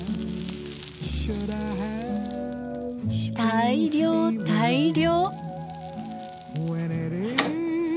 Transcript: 大漁大漁！